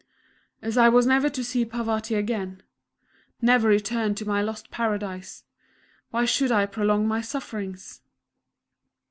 As I was never to see Parvati again never return to my lost paradise why should I prolong my sufferings?